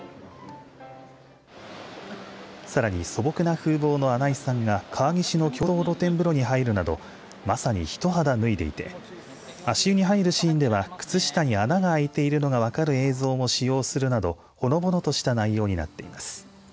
さらに素朴な風貌の穴井さんが川岸の共同露天風呂に入るなどまさに、一肌脱いでいて足湯に入るシーンでは靴下に穴があいているのが分かる映像も使用するなど、ほのぼのとした内容になっています。